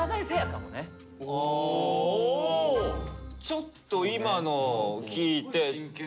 ちょっと今の聞いて。